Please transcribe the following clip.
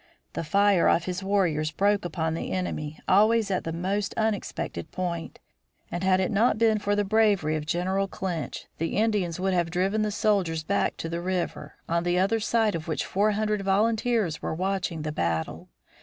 The fire of his warriors broke upon the enemy always at the most unexpected point, and had it not been for the bravery of General Clinch, the Indians would have driven the soldiers back to the river, on the other side of which four hundred volunteers were watching the battle.